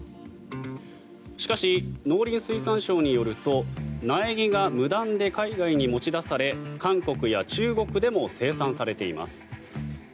しかし、農林水産省によると苗木が無断で海外に持ち出され韓国や中国でも生産されています。